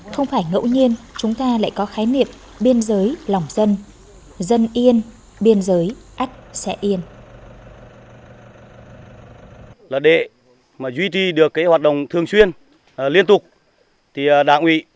không phải ngẫu nhiên chúng ta lại có khái niệm biên giới lòng dân